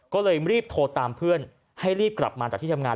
ก็เลยรีบโทรตามเพื่อนให้รีบกลับมาจากที่ทำงาน